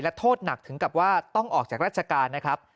โทษหนักถึงกับว่าต้องออกจากราชการนะครับ